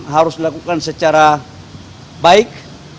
harus dilakukan secara baik